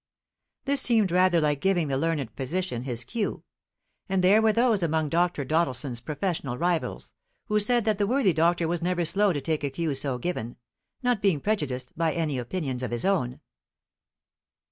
This seemed rather like giving the learned physician his cue. And there were those among Dr. Doddleson's professional rivals who said that the worthy doctor was never slow to take a cue so given, not being prejudiced by any opinions of his own.